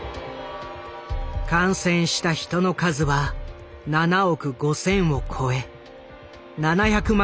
感染した人の数は７億５，０００を超え７００万